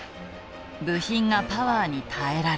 部品がパワーに耐えられない。